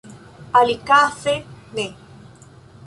Alikaze ne.